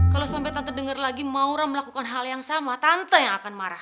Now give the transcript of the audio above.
kalo sampe tante denger lagi maulah melakukan hal yang sama tante yang akan marah